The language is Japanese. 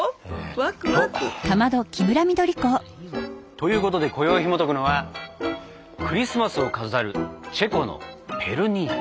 ということで今宵ひもとくのは「クリスマスを飾るチェコのペルニーク」。